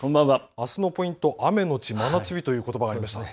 あすのポイント、雨のち真夏日ということばがありました。